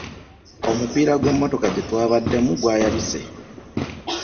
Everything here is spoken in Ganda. Omupiira gw'emmotoka gye twabademu gwayabise.